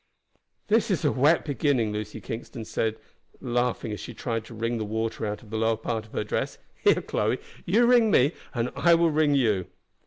"This is a wet beginning," Lucy Kingston said laugh as she tried to wring the water out of the lower part of her dress. "Here, Chloe; you wring me and I will wring you."